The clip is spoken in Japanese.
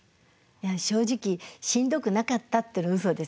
正直しんどくなかったっていうのはうそです。